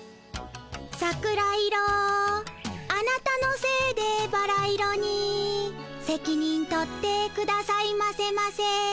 「桜色あなたのせいでバラ色にせきにん取って下さいませませ」。